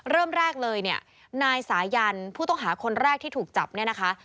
เริ่มแรกเลยเนี่ยนายสายันผู้ต้องหาคนแรกที่ถูกจับเนี่ยนะคะ